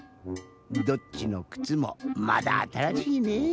どっちのくつもまだあたらしいねぇ。